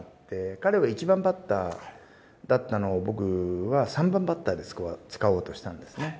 彼は１番バッターだったのを僕は３番バッターで使おうとしたんですね。